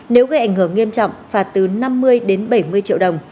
nếu gây ảnh hưởng nghiêm trọng phạt từ năm mươi đến bảy mươi triệu đồng